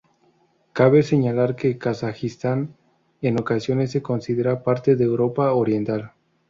Cabe señalar que Kazajistán, en ocasiones, se considera parte de Europa Oriental.